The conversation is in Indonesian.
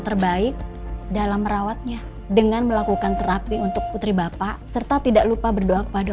terbaik dalam merawatnya dengan melakukan terapi untuk putri bapak serta tidak lupa berdoa kepada